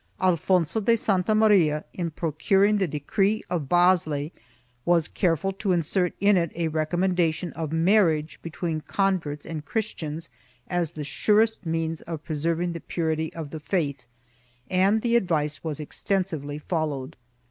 Alfonso de Santa Maria, in procuring the decree of Basle, was careful to insert in it a recom mendation of marriage between converts and Christians as the surest means of preserving the purity of the faith, and the advice was extensively followed.